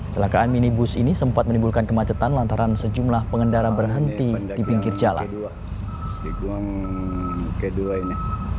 celakaan minibus ini sempat menimbulkan kemacetan lantaran sejumlah pengendara berhenti di pinggir jalan